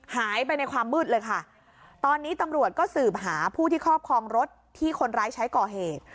หายไปในความมืดเลยค่ะตอนนี้ตำรวจก็สืบหาผู้ที่ครอบครองรถที่คนร้ายใช้ก่อเหตุ